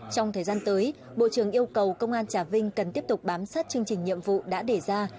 trong thời gian tới bộ trưởng yêu cầu công an trà vinh cần tiếp tục bám sát chương trình nhiệm vụ đã để ra